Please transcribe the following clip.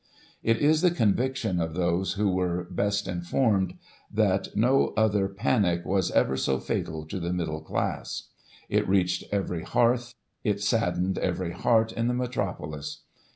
" It is the conviction of those who were best informed, that no other psnic was ever so fatal to the middle class. It reached every hearth, it saddened every heart in the metropolis.